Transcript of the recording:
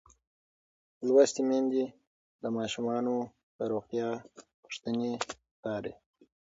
لوستې میندې د ماشومانو د روغتیا پوښتنې څاري.